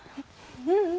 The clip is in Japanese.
ううん。